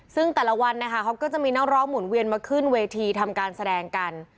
ซึ่งแต่ละวันนะคะเขาก็จะมีนักร้องหมุนเวียนมาขึ้นเวทีทำการแสดงกัน